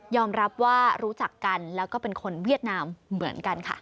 รับว่ารู้จักกันแล้วก็เป็นคนเวียดนามเหมือนกันค่ะ